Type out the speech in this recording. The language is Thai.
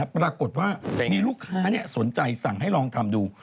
ปรากฏว่ามีลูกค้าสนใจสั่งให้ลองทำดู